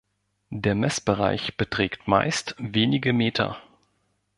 Der Messbereich beträgt meist wenige Meter.